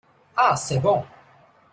Ah, c’est bon !